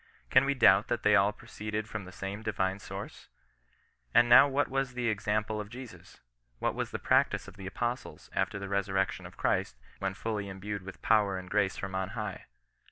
Can we doubt that they all proceeded from the same Divine source ? And now what was the example of Jesus ? What was the practice of the Apostles, after the resurrection of Christ, when fully endued with power and grace from on high